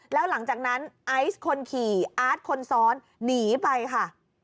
แล้วหลังจากนั้นไอซ์คนขี่อาร์ตคนซ้อนหนีไปค่ะ